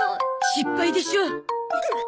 失敗でしょう。